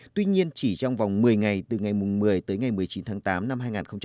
tuy nhiên chỉ trong vòng một mươi ngày từ ngày một mươi tới ngày một mươi chín tháng tám năm hai nghìn hai mươi